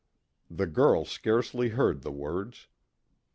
The girl scarcely heard the words.